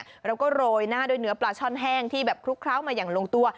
แล้วก็โรยหน้าด้วยเนื้อปลาช่อนแห้งที่แบบคลุกเคล้ามาอย่างลงตัว